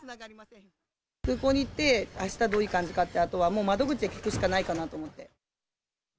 空港に行って、あしたどういう感じかって、あとはもう窓口で聞くしかないかなと思って。